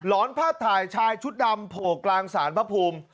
หลอนพาดถ่ายชายชุดดำโผล่กลางศาลพพูม